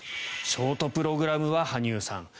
ショートプログラムは羽生さん